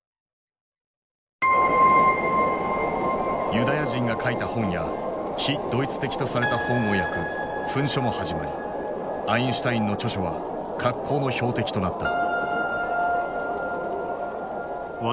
ユダヤ人が書いた本や「非ドイツ的」とされた本を焼く焚書も始まりアインシュタインの著書は格好の標的となった。